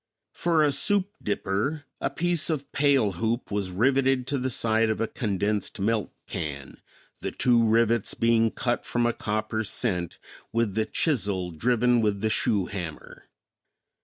For a soup dipper a piece of pail hoop was riveted to the side of a condensed milk can, the two rivets being cut from a copper cent with the chisel driven with the shoe hammer.